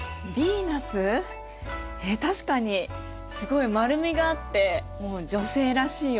えっ確かにすごい丸みがあってもう女性らしいよね。